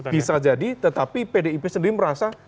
bisa jadi tetapi pdip sendiri merasa